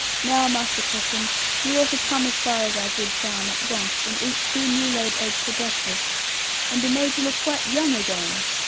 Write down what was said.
Now, Master Cockram, you ought to come as far as our good farm, at once, and eat two new laid eggs for breakfast, and be made to look quite young again.